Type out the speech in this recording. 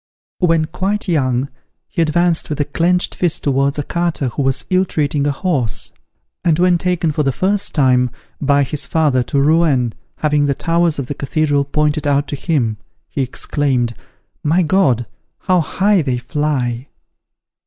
When quite young, he advanced with a clenched fist towards a carter who was ill treating a horse. And when taken for the first time, by his father, to Rouen, having the towers of the cathedral pointed out to him, he exclaimed, "My God! how high they fly."